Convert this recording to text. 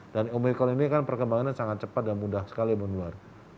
dan omikron ini kan perkembangan yang sangat cepat dan mudah sekali menurut saya